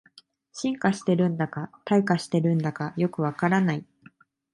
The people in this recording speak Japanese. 進化してるんだか退化してるんだかよくわからない